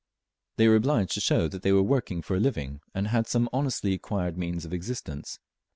They were obliged to show that they were working for a living, and had some honestly acquired means of existence.